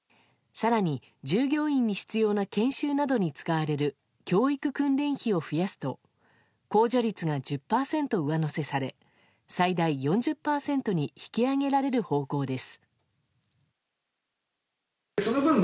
更に、従業員に必要な研修などに使われる教育訓練費を増やすと控除率が１０％上乗せされ最大４０％に引き上げられる方向です。